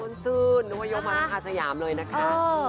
ซื่นนึกว่ายกมาทั้งอาสยามเลยนะคะ